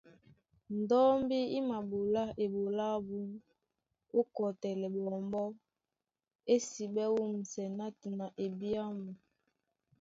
Ndɔ́mbí í maɓolá eɓoló ábū ó kɔtɛlɛ ɓɔmbɔ́, ésiɓɛ́ wûmsɛ nátɛna ebyámu.